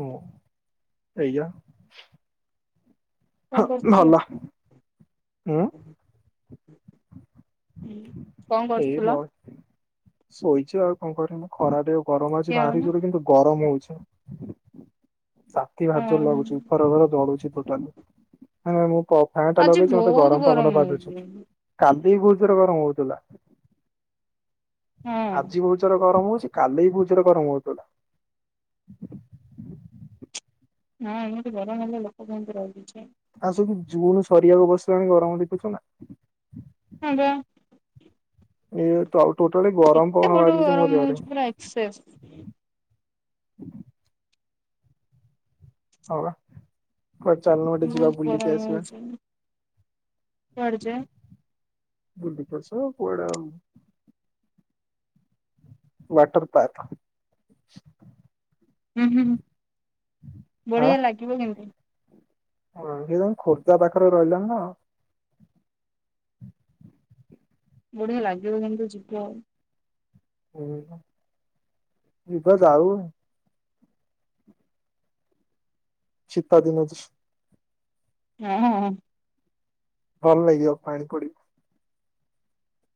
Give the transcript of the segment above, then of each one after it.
ହୁଁ ସେଇଆ। ହଁ କଣ କରୁଥିଲ? ଭଲ। ହୁଁ। ହଁ କଣ ଏଇ ବ କରୁଥିଲ? ଶୋଇଛି ଆଉ କଣ କରିବୁ ଖରାରେ ଆଉ ଗରମ ହଉଛି ଭାରି ଖିଆହଉନି ଜୋରେ ରେ କିନ୍ତୁ ଗରମ ହଉଛି ତାତି ଭାରି ଯୋର ଅଁ ଲାଗୁଛି। ଘର ଘର ଜଳୁଛି ଟୋଟାଲ ମୁଁ ଫ୍ୟନ୍ ଟା ଆଜି ଲଗେଇଛି ମତେ ବହୁତ ଗରମ ପବନ ବାଜୁଛି। ହଉଛି। କାଲି ବହୁତ୍ ଯୋର ଗରମ ହଉଥିଲା। ହଁ ଆଜି ବହତ୍ ଯୋର ଗରମ ହଉଛି କାଲିବି ବହୁତ ଯୋର ଗରମ ହଉଥିଲା। ହଁ ଏମିତି ଗରମ ହେଲେ ଲୋକ କେମତି ରହିବେ ଯେ। ଆ ସୁ ଜୁନ ସରିବାକୁ ବସିଲାଣି ଗରମ ଦେଖୁଛୁ ନା। ହଁ ବା। ଏ ଟୋଟାଲି ଗରମ ପବନ ଏତେ ବଡ଼ ବାଜୁଛି ମୋ ଗରମ ଦେହରେ ହେଉଚି ପୁରା ଏକ୍ସସ୍। ହଁ ବା। କୁଆଡେ ଚାଲନୁ ଗୋଟେ ଯିବା ବହୁତ ବୁଲିିକି ଗରମ ଆସିବା। ହଉଛି। କୁଆଡେ ଯେ ବୁଲିକି ଆସିବା କୁଆଡେ ଆଉ। Water park. ହୁଁ ହୁଁ ଆଁ ବଢିଆ ଲାଗିବ କିନ୍ତୁ। ହଁ ସେଏ ତମେ ଖୋର୍ଦ୍ଧା ପାଖରେ ରହିଲାଣି। ବଢିଆ ଲାଗିବ କିନ୍ତୁ ଯିବ। ହିଁ ଯିବା। [unintelligible] [unintelligible] ହଁ। ଭଲ ଲାଗିବ, ପାଣି ପଡିବ।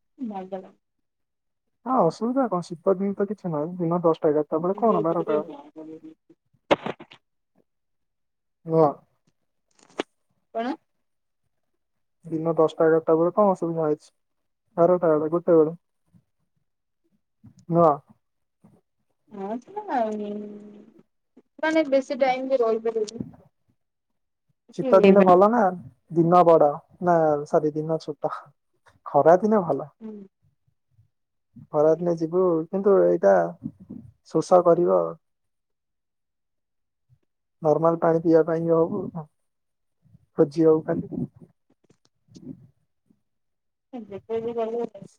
[unintelligible] ହଁ, ଅସୁବିଧା କଣ ଶୀତ ଦିନ ତ କିଛି ନାହିଁ, ଦିନ ଦଶଟା ଏଗାରଟା ବେଳେ କଣ ବାରଟା। ଲାଗିବ। [unintelligible] ହଁ। କଣ? ଦିନ ଦଶଟା ଏଗାରଟା ବେଳେ କଣଅସୁବିଧା ହଉଛି। ବାରଟା ବେଳେ ଗୋଟେ ବେଳ। ନୁହଁ? ହଁ ଯେ ମାନେ ବେଶୀ ଟାଇମ୍ ରହିପାରିବିନି। [unintelligible] ଶୀତ ଦିନେ ଭଲ ନା। ଦିନ ବଡ ନା ସରି ଦିନ ଛୋଟ ଖରା ଦିନେ ଭଲ। ହୁଁ। ଖରାଦିନେ ଯିବୁ। କିନ୍ତୁ ଏଇଟା ଶୋଷ କରିବ ଆଉ। ନର୍ମାଲ ପାଣି ପିଇବା ପାଇଁ ଯାଉ ଆଉ କଣ। ଖୋଜି ହବୁ ଖାଲି। [unintelligible]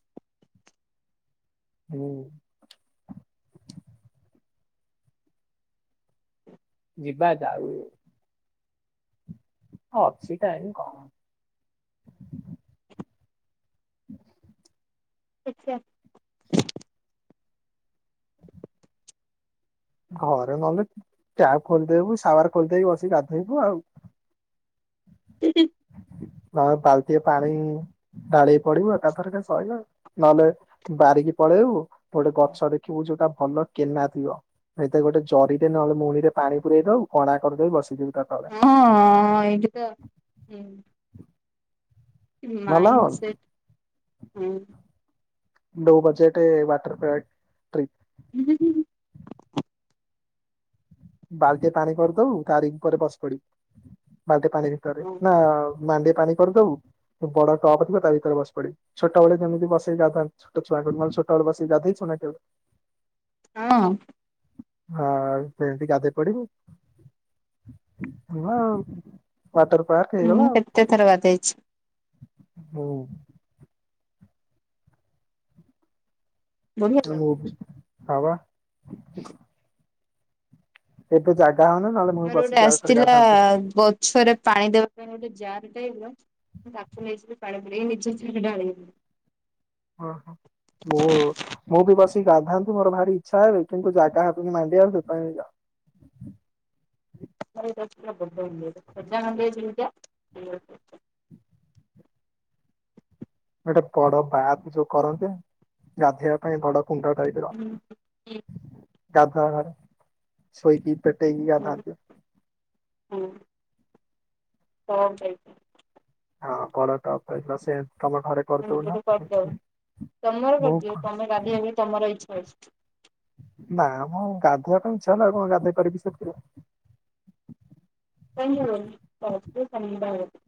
ହୁଁ। ଯିବା, ଯାଉ ହଁ, ଅଛି ଟାଇମ୍ କଣ [inaudible] ଦେଖିଆ। ଘରେ ଗଲେ ଟ୍ୟାପ୍ ଖୋଲିଦେବୁ ସାୱାର ଖୋଲିଦେଇକି ବସିକି ଗାଧୋଇବୁ ଆଉ। [unintelligible] ପା ବାଲ୍ଟିଏ ପାଣି ପାଳି ପଡିବୁ ଏକାଥରକେ ସଇଲା। ନହେଲେ ବାହାରିକି ପଳେଇବୁ। ଗୋଟେ ଗଛ ଦେଖିବୁ ଯୋଉଟା ଭଲ କେନା ଥିବ ହେଇଥିରେ ଗୋଟେ ଜରିରେ ନହେଲେ ମୁଣି ରେ ପାଣି ପୁରେଇ ଦବୁ, କଣା କରିଦେଇ ବସିଥିବୁ ତା ତଳେ ହଁ। ଏଇଠି ତ। ହୁଁ। ଭଲ ମାଇଣ୍ଡ ହବନି ସେଟ୍, ହୁଁ। ଲୋ ବଜେଟେ ୱାଟର ପ୍ରାକ ହୁଁ, ହୁଁ, ହୁଁ ବାଲ୍ଟିଏ ପାଣି କରିଦବୁ ତାରି ଉପରେ ବସି ପଡିବୁ। ବାଲ୍ଟି ପାଣି ଭିତରେ। ହଁ ନା ମାଣ୍ଡିଏ ପାଣି କରିଦବୁ ବଡ ଟପ୍ ଥିବ ତା ଭିତରେ ବସି ପଡିବୁ। ଛୋଟବେେଳେ ଯେମିତି ବସେଇ ଗାଧାନ୍ତି ଛୋଟ ଛୁଆକୁ, ଛୋଟବେଳେ ବସିକି ଗାଧେଇ ଛନା କେବେ? ହଁ। ଆଉ ସେମିତି ଗାଧେଇ ପଡିବୁ। ହେଲା ଆଉ। ୱାଟର ପାର୍କ ମୁଁ ହେଇଗଲା ଆଉ। କେତେ ଥର ଗାଧେଇଛି ହୁଁ। ବଢିଆ ଲାଗେ। [unintelligible] ଏବେ ଜାଗା ହଉନି ନ ମୋର ଗୋଟେ ଆସିଥିଲା ଗଛରେ ପାଣି ଦେବା ପାଇଁ ଗୋଟେ ଜାର ଟାଇପ୍ ର ତାକୁ ନେଇଯିବି ପାଣି ପୁରେଇ ନିଜେ ନିଜେ ସେଠି ଢାଳି ହେବି। ଓହୋ। ମୁଁ, ମୁଁ ବି ବସିିକି ଗାଧାନ୍ତି ମୋର ଭାରି ଇଚ୍ଛା ହେଉଛି, କିନ୍ତୁ ଜାଗା ହେବନି ମଣ୍ଡିଆ ସେଥିପାଇଁ [unintelligible] ଗୋଟେ ବଡ ପାର୍କ ଯୋଉ କରନ୍ତେ ଗାଧେଇଆ ପାଇଁ ବଡ କୁଣ୍ଡ ଟାଇପ୍ ର। ଗାଧୁଆ ଘରେ ଶୋଇକି ପେଟେଇକି ଗାଧାନ୍ତି। ହୁଁ। ହଉାଇ [unintelligible] ଆମର ତପୋଇ ତ ସେ ତମ ଘରେ କରିଦଉନ। [unintelligible] କରିଦବ ତମର ମୁଁ କରିଦିଅ ତମେ ଗାଧେଇଆ ପାଇଁ ତମର ଇଛା ହଅଛି। ନା ମ ଗାଧୋଇଆ ପାଇଁ ଇଚ୍ଛା ହେଲା ଆଉ କଣ ଗାଧୋଇ ପାରିବି ସେଠି। ଧନ୍ୟ ସମୀ ଭ [unintelligible]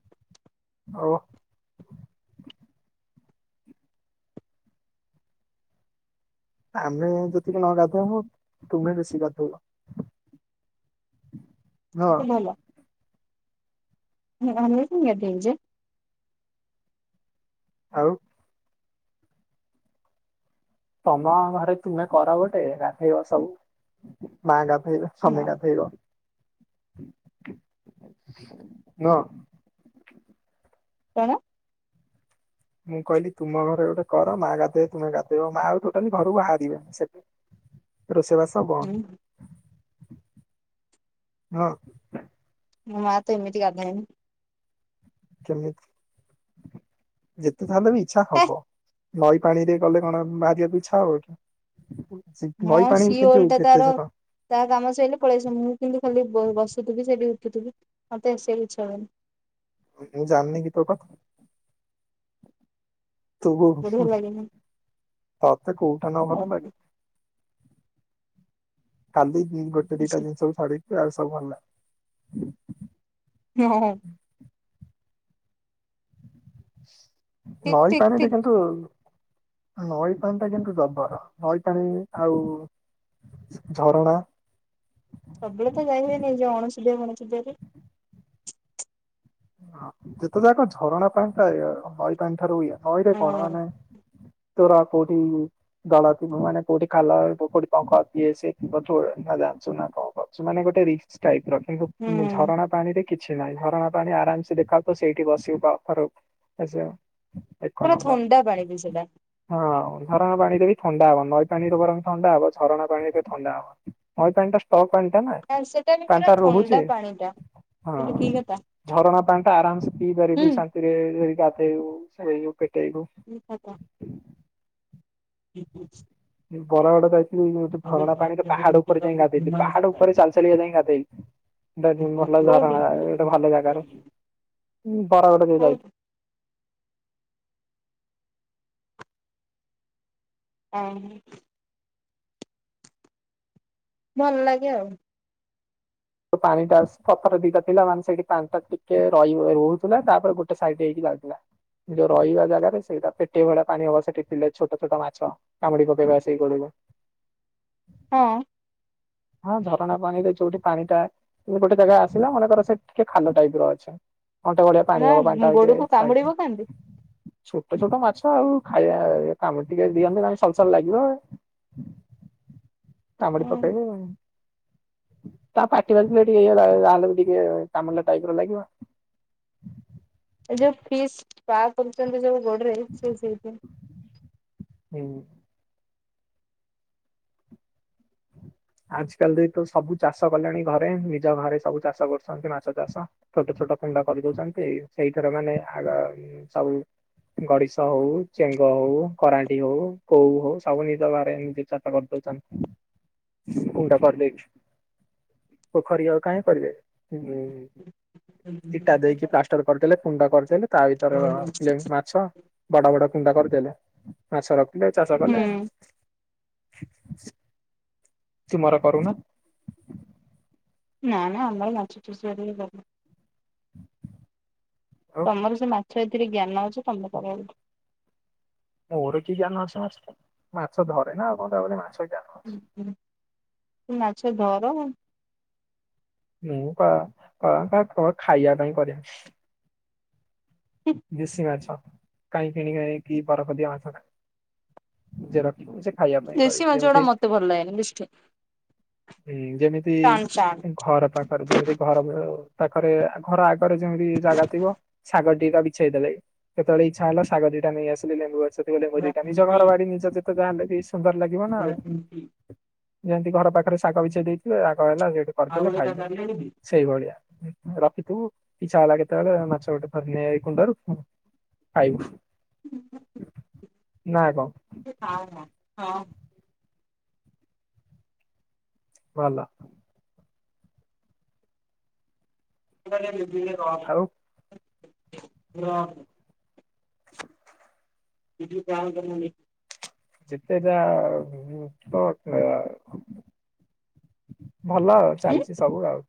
ହଉ। ଆମେ ଯଦି ନ ଗାଧେଇବୁ ତୁମେ ବେଶୀ ଗାଧେଇବ। ସେ ତମଲ [unintelligible] ଆମ କତି ଯେ [inaudible] ଆଉ ତମ ଘରେ ତୁମେ କର ଗୋଟେ ଗାଧେଇବ ସବୁ ମା ଗାଧେଇବେ। ସମୀ ଭଲ। ଗାଧେଇବ। କଣ ମୁଁ କହିଲି ତୁମ ଘରେ ଗୋଟେ କର ମା ଗାଧେଇ ତୁମେ ଗାଧେଇବ ମା ଆଉ ଟୋଟାଲି ଘରୁ ବାହାରିବେ ସେ ରୋଷେଇବାସ ବ ମୋ ମା ତେମିତି ଗାଧେଇବେ? କେମିତି ଯେତେ ଯାହାଲେ ବି ଇଚ୍ଛା ହେ ହବ। ନଈ ପାଣିରେ ଗଲେ କଣ ବାହାରିଆକୁ ଇଚ୍ଛା ହବ କି? ମୋ ନଈ ପାଣି ସିଓଲ କିନ୍ତୁ ଟା ତାର କେତେ ଝର ତା କାମ ସଇିଲେ ପଳେଇଆସି ମୁଁ କିନ୍ତୁ ଖାଲି ବ ବସୁଥିବି ସେଠି ଉଠୁଥିବି ମତେ ଆସିଆକୁ ଇଛା ହବନି। ମୁଁ ଜାନି ଗୀତ ତ ତୋ ବଢିଆ ବୋଉ ଲାଗେନି ହଁ ଖାଲି ଦି ଗୋଟେ ଦିଟା ଜିନିଷ ର ଆ ସବୁ ଭଲ [unintelligible] ହଁ ହଁ। ଠିକ ନଈ ଠିକ ପାଣିରେ ଠିକ କିନ୍ତୁ ନଈ ପାଣି ଟା କିନ୍ତୁ ଜବର ନଈ ପାଣି ଆଉ ଝ ଝରଣା ସବୁଳେ ତ ଯାଇହୁଏନି ଏ ଯୋଉ ଅଣସୁଧିଆ ବଣସୁଧିଆରେ। ହଁ ଯେତେ ଯାକ ଝରଣା ପାଣି ଟା ଏ ନଈ ପାଣି ଠାରୁ ଇଏ ନଈରେ ହଁ କଣ ମାନେ ତରା କୋଉଟି ଦଳ ମାନେ କୋଉଠି ଖାଲ କୋଉଠିି କଣ [inaudible] ଇଏ ସିଏ ମାନେ ଗୋଟେ ରିକ୍ସି। ହୁଁ ଝରଣା ପାଣି ରେ କିଛି ନାହିଁ ଝରଣା ପାଣି ଆରାମ୍ ସେ ଦେଖାତୁ ସେଇଠି ବସି [inaudible] ଏକ ପୁରା ନମ୍ବର। ଥଣ୍ଡା ପାଣି ବି ସେଟା ହଁ ଝରଣା ପାଣିରେ ବି ଥଣ୍ଡା ହବ ନଈ ପାଣିରେ ବରଂ ଥଣ୍ଡା ହବ ଝରଣା ପାଣିରେ ଥଣ୍ଡା ହବ। ନଈ ପାଣିଟା ଷ୍ଟକ୍ ପାଣିଟା ନା ସେଟା ବି ପୁରା ପାନିଟା ଥଣ୍ଡା ରହୁଛି ପାଣି ଟା ହଁ। କିନ୍ତୁ କି କଥା ଝରଣା ପାଣି ଟା ଆରାମସେ ପି ହୁଁ ପାରିବୁ ଶାନ୍ତିରେ ଏ ଗାଧେଇବୁୁ ଶୋଇବୁ ପେଟଇବୁ କି କଥା [inaudible] ହୁଁ ହୁ [inaudible] ବରଗଡ ଯାଇକି ଗୋଟେ ଝରଣା ପାଣିରେ ପାହାଡ ଉପରେ ଯାଇଁ ଗାଧେଇଲି ପାହାଡ ଉପରେ ଚାଲିଚାଲି କା ଯାଇଁ ଗାଧେଇ। ଗାଧେଇ ଭଲ କୋଉଠି ଝରଣା ଗୋଟେ ଭଲ ଜାଗାରେ କୋଉଠି ଉଁ ବରଗଡ ଯୋଉ ଯାଇ ଏହେଁ। ଭଲ ଲାଗେ ଆଉ। ତ ପାଣି ଟାସ୍‌ ପଥର ଦିଟା ଥିଲା ମାନେ ସେଇଠି ପାଣି ଟା ଟିକେ ରହିିବଇ ହଉଥିଲା। ତାପରେ ଗୋଟେ ସାଇଡଡ୍‌ ହେଇକି ବାହାରୁଥିଲା। ଯୋଉ ରହିବା ଜାଗାରେ ସେଇଟା ଫିଟେଇବାଟା ପାଣି ଅବଶ୍ୟ ସେଠି ଥିଲେ ଛୋଟ ଛୋଟ ମାଛ। କାମୁଡ଼ି ପକେଇବ ଆସିକି ଗୋଡ଼କୁ। ହଁ। ହଁ ଝରଣା ପାଣିରେ ଯୋଉଠି ପାଣି ଟା ଗୋଟେ ଜାଗା ଆସିଲା। ମନେକର ସେଠି ଟିକେ ଖାଲ ଟାଇପ ର ଅଛି। ଅଣ୍ଟେ କଡ଼ିଆ ପାଣି ନା ହବ। ତାଙ୍କ ଅଇତରେ ଗୋଡକୁ କାମୁଡିବ କାନ୍ତି ସାଇଟ୍‌ରେ। ଛୋଟ ଛୋଟ ମାଛ ଆଉ ଖାଇବା କାମ ଟିକେ ଦିଅନନ୍ତେ ସଲସଲ ଲାଗିବ। [inaudible] ଏ କାମୁଡ଼ି ପକେଇବଅ ତା ପାଟି ବାଜି ଲେଟ ହୋଇଗଲା। ଯାହେଲେ ବି ଟିକେ କାମୁଡ଼ିଲା ଟାଇପ୍ ର ଲାଗିବ ଏଇ ଯୋଉ ଫିସ୍ ସ୍ପା କରୁଛନ୍ତି ଯୋଉ ଗୋଡରେ ସେ ସେଇଥି ହୁଁ। ଆଜି କାଲିତ ଏଇତ ସବୁ ଚାଷ କଲେଣି ଘରେ। ନିଜ ଘରେ ସବୁ ଚାଷ କରୁଛନ୍ତି ମାଛ ଚାଷ। ଛୋଟ ଛୋଟ କୁଣ୍ଡ କରିଦଉଛନ୍ତି। ସେଇଥିରେ ମାନେ ଆଗ ସବୁ ଗଡିଶ ହଉ, ଚେଙ୍ଗ ହଉ, କରାଣ୍ଡି ହଉ, କୋଉ ହଉ ସବୁ ନିଜ ଘରେ ଏମତିକା ହଁ କରିଦେଉଚନ। [inaudible] କୋଡା କରିଦେଉଛୁଁ। ପୋଖରୀ ଆଉ କାହିଁ କରିବେ ହୁଁ ଇଟା ଦେଇକି ପ୍ଲାଷ୍ଟର କରିଦେଲେ କୁଣ୍ଡ କରିଦେଲେ ତା ଭିତରେ ମାଛ। ବଡ ବଡ କୁଣ୍ଡ କରିଦେଲେ ମାଛ ରଖିଲେ ଚାଷ କଲେ। ତୁମର କରୁନ। ନା ନା ଆମର ମାଛ ଚାଷ ହାରିକା କରୁନୁ। ଆଉ ତମର ସେ ମାଛ ଏଥିରେ ଜ୍ଞାନ ଅଛି। ତମେ କର ମୋର କି ଜ୍ଞାନଅଛି ମାଛ ପାଇଁ। ମାଛ ଧରେ ନା ଆଉ କଣ ତା ବୋଲି ମାଛ ଜ୍ଞାନ ଅଛି। [unintelligible] ମାଛ ଧର ମୁଁ କା କା କା ଖାଇବା ପାଇଁ କରେ। ଦେଶୀ ମାଛ କାଇ କିଣିଆଣିକି ବରଫ ଦିଆ ମାଛଖା ନିଜର। ସେମିତି ଖାଇବା ପାଇଁ କରେ। ଦେଶୀ ମାଛ ଗୁଡା ଯିମିତି ମତେ ଭଲ ଲାଗେନି ବୁଝିଲେ। ହୁଁ ଯେମିତି ଟାଣ ଟାଣ। ଘର ପାଖରେ ଯେମିତି ଘର [unintelligible] ପାଖରେ ଘର ଆଗରେ ଯେମିତି ଜାଗା ଥିବ। ଶାଗ ଦି ଟା ବି ଛେଇଦେଲେ ଯେତେବେଳେ ଇଚ୍ଛା ହେଲା ଶାଗ ଦିଟା ନେଇ ଆସିଲେ। ଲେମ୍ୱୁ ଗଛଥିବ ଲେମ୍ବୁ ଦିଟା ନିଜ ହୁଁ ଘର ବାଡି ନିଜ ତ ଗାଁ ଟା ବି ସୁନ୍ଦର ଲାଗିବ ନା ଆଉ। ଯେମତି ଘର ପାଖରେ ଶାଗ ବିଛେଇ ଦେଇଥିବେ। ଶାଗ ହେଲା ସେଠି କରିଦେଲେ ଖାଇଲେ। ସେଇଭଳିଆ ରଖିଥିବୁ ଇଛା ହେଲା କେତେବେଳେ ମାଛ ଗୋଟେ ଧରିନେ ହୁଣ୍ଡାରୁ ଖାଇବୁ। [inaudible] ନା କଣ। [inaudible] ନାଁ ହଁ ହଁ। ଭଲ। ସେ କହିଲା ଆଉ [unintelligible] ରହନି। [unintelligible] ଗାଁ କୁ ଗଲାନି। ଯେତେଟା [unintelligible] ଭଲଅ ଚାଲିଛି ସବୁ ଆଉ।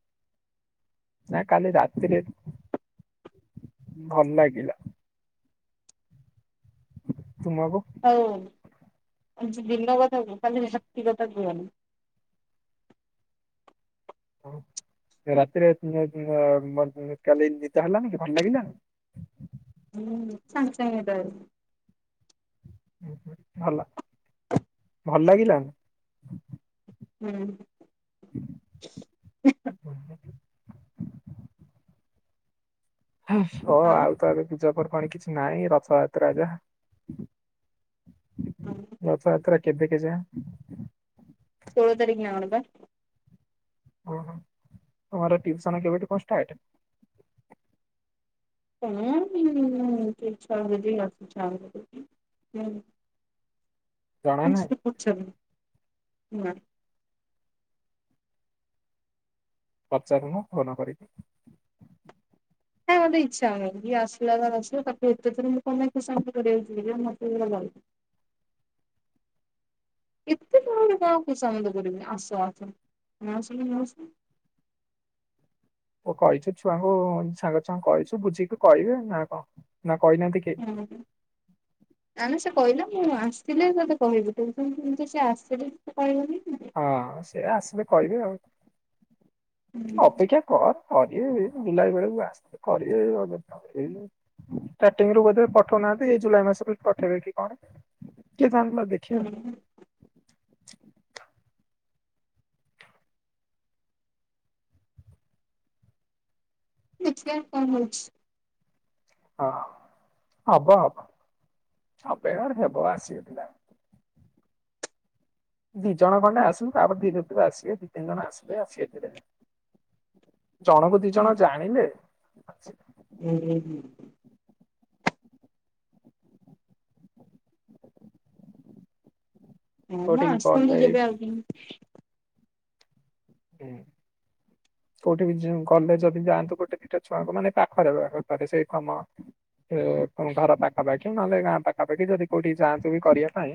ନା କାଲି ରାତିରେ ଭଲ ଲାଗିଲା। ତୁମକୁ। ହଉ ହଉ ଆଜି ଦିନକ କଲି ଶକ୍ତିଗତ କୁହନି। ହ ରାତିରେ [unintelligible] କାଲି ନିଦ ହେଲାନି କି ଭଲ ଲାଗିଲାନି? ହୁଁ ସାଙ୍ଗେସାଙ୍ଗେ ନିଦ ହେଇଗଲା। ଭଲ ଭଲଲାଗିଲା? ହୁଁ। [unintelligible] ଆଉ କିଛି କହ ଆଉ ତ ଏବେ ପୂଜାପର୍ବାଣୀ କିଛି ନାହିଁ ରଥଯାତ୍ରା ଯାହା। ହୁଁ। ରଥଯାତ୍ରା କେବେ କେଜାନ ଷୋଳ ତାରିଖ ନା କଣ ପା। ଓ ହୋ ତମର ଟ୍ୟୁସନ କେବେଠୁ କଣ ଷ୍ଟାର୍ଟ? ହଁ [unintelligible] ଜଣା ମୁଁ ନାହିଁ କିଛି ପଚାରିନି ନାଁ। ପଚାରୁନ ଫୋନ କରିକି। ହେ ମୋତେ ଇଚ୍ଛାହଉନି ଯିଏ ଆସିଲା ନ ଆସିଲ ତାକୁ ଏତେ ଥର ମୁଁ କଣ ପାଇଁ ଖୋସାମତ କରିବି ଯିଏ ଯା ମୋତେ ଏଗୁଡା ଭଲ ଏତେ କଣ କାହାକୁ ଖୋସାମତ କରିବି ଆସ ଆସ ନ ଆସିଲେ ନ ଆସ। ଓ କହିଛୁ ଛୁଆଙ୍କୁ ସାଙ୍ଗ ସାଙ୍ଗ କହିଛୁ ବୁଝିକି କହିବେ ନା କଣ ନା କହିନାହାନ୍ତି? କେହି ହୁଁ ହୁଁ। ନା ନା ସେ କହିଲା ମୁଁ ଆସିଲେ ତତେ କହିବି ଟିଉସନ୍ କେମିତି ସିଏ ଆସିଲେ ତୋତେ କହିବନି ହଁ ସେ ଆସିଲେ କହିବେ ଆଉ ହୁଁ ଅପେକ୍ଷା କନ କରିବେ ଜୁଆଇ ବେଳକୁ ଆସିଲେ କରିବେ [unintelligible] ଏଇ ଷ୍ଟାର୍ଟିଂ ରୁ ବୋଧେ ପଠୋଉନାହାନ୍ତି ଜୁଲାଇ ମାସରୁ ପଠେଇବେ କି କଣ? କିଏ ଜାଣିଲା ଦେଖିବା ହୁଁ। ଦେଖିଆ କଣ ହଉଛି। ହଁ ହବ ହବ ଅପେକ୍ଷା କର ହେବ ଆସିବେ ପିଲା। ଦି ଜଣ ଖଣ୍ଡେ ଆସନ୍ତୁ ତାପରେ ଧୀରେ ଧୀରେ ଆସିବେ ଦି ତିି ଜଣ ଆସିବେ ଆସିବେ ଧୀରେ ଜଣକୁ ଦି ଜଣ ଜାଣିଲେ [unintelligible] ହଁ ମ କୋଉଠିକି ଆସନ୍ତୁ ଗଲେ ଯେବେ ଆଉଛନ୍ତି। ହୁଁ। କୋଉଠି ବି ଯୋଉ ଗଲେ ଯଦି ଯାଆନ୍ତୁ ଗୋଟେ ଦିଇଟା ଛୁଆଙ୍କୁ ମାନେ ପାଖରେ ହେଇପାରେ ସେଇ ଖମ ଏ ଘର ପାଖାପାଖି ନହେଲେ ଗାଁ ପାଖାପାଖି ଯଦି କୋଉଠି ଯାନ୍ତୁ ବି କରିବା ପାଇଁ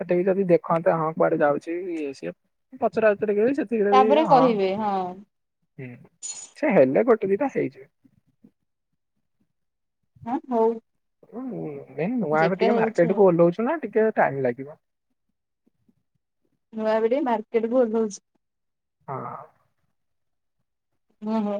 ସେଠିକି ଯଦି ଦେଖନ୍ତେ ହଁ କୁଆଡେ ଯାଉଛି ଇଏ ସିଏ ପଚରା ପଚରିକି ସେ ତାପରେ [unintelligible] ହଁଁ କହିବେ ହଁ ହୁଁ ସେ ହେଲେ ଗୋଟେ ଦିଟା ହେଇଯିବେ। ହଁ ହଉ। ଦେନ୍ ନୂଆ ଏବେ ଯେବେ ଟିକେ ହଉଛି ମାର୍କେଟ ଆଉ। କୁ ଓହ୍ଲଉଚୁ ନା, ଟିକେ ଟାଇମ ଲାଗିବ। ନୂଆବିଡ଼ି ମାର୍କେଟକୁ ଓଲ୍ହୋଉଛି। ହଁ। ଓହୋ।